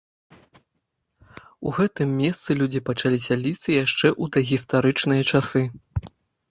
У гэтым месцы людзі пачалі сяліцца яшчэ ў дагістарычныя часы.